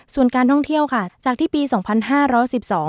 ส่วนการท่องเที่ยวค่ะจากที่ปีสองพันห้าร้อยสิบสอง